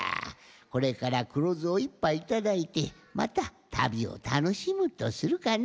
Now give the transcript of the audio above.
これからくろずを１ぱいいただいてまたたびをたのしむとするかの。